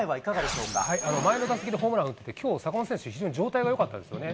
前の打席でホームラン打って、きょう、坂本選手、非常に状態がよかったですよね。